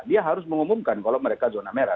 dia harus mengumumkan kalau mereka zona merah